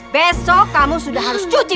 besok kamu sudah harus cuci